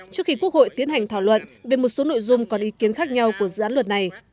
trước khi quốc hội tiến hành thảo luận về một số nội dung còn ý kiến khác nhau của dự án luật này